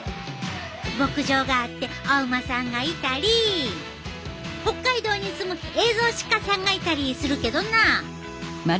牧場があってお馬さんがいたり北海道に住むエゾシカさんがいたりするけどな。